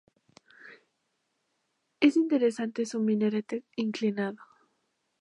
Es interesante su minarete inclinado.